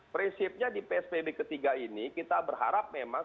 prinsipnya di psbb ketiga ini kita berharap memang